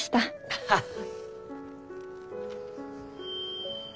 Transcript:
ハハハ。